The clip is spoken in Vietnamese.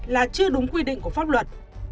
là chưa đúng quy định của pháp luật